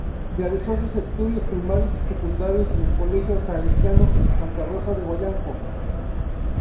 Realizó sus estudios primarios y secundarios en el Colegio Salesiano Santa Rosa de Huancayo.